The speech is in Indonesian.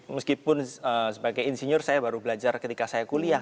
meskipun sebagai insinyur saya baru belajar ketika saya kuliah